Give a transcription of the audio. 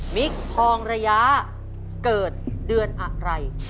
ทองระยะเกิดเดือนอะไร